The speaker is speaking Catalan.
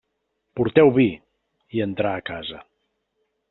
«Porteu vi!», i entrà a casa.